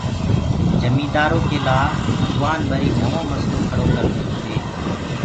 جميندآرو لآ ڀگوآن وري نوو مسلو کڙو ڪرديندو هي